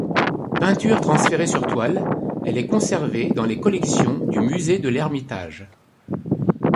Peinture transférée sur toile, elle est conservée dans les collections du musée de l'Ermitage.